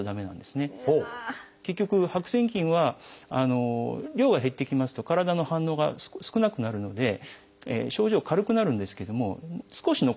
結局白癬菌は量が減ってきますと体の反応が少なくなるので症状軽くなるんですけども少し残ってるんですね。